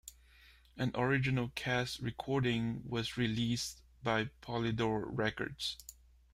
An original cast recording was released by Polydor Records.